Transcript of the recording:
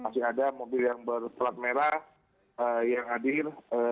masih ada mobil yang berpelat merah yang hadir